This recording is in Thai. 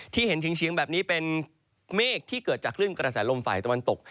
ที่เห็นเฉียงแบบนี้เป็นเมฆที่เกิดจากคลื่นกระแสลมฝ่ายตะวันตก